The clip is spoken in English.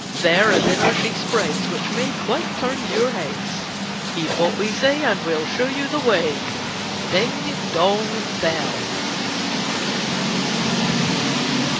There a dinner she spreads which may quite turn your heads. Heed what we say and we '11 show you the way. Ding, dong, bell